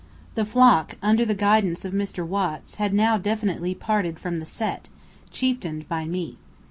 The Flock, under the guidance of Mr. Watts, had now definitely parted from the Set, chieftained by me.